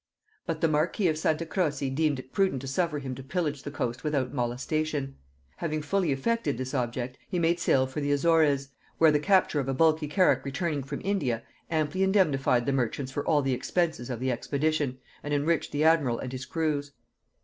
But the marquis of Santa Croce deemed it prudent to suffer him to pillage the coast without molestation. Having fully effected this object, he made sail for the Azores, where the capture of a bulky carrack returning from India amply indemnified the merchants for all the expenses of the expedition, and enriched the admiral and his crews.